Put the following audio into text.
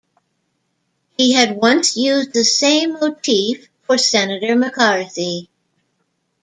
He had once used the same motif for Senator McCarthy.